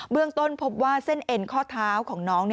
เรื่องต้นพบว่าเส้นเอ็นข้อเท้าของน้อง